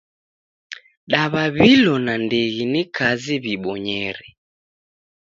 Daw'aw'ilo nandighi ni kazi w'iibonyere.